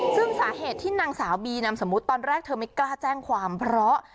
ซึ่งสาเหตุที่นางสาวบีนามสมมุติตอนแรกเธอไม่กล้าแจ้งความเพราะ